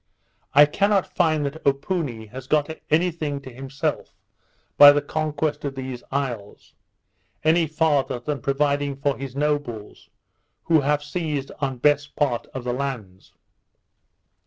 I cannot find that Opoony has got any thing to himself by the conquest of these isles, any farther than providing for his nobles, who have seized on best part of the lands.